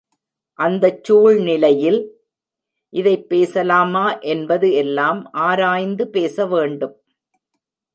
அந்தச் சூழ்நிலையில் இதைப் பேசலாமா என்பது எல்லாம் ஆராய்ந்து பேச வேண்டும்.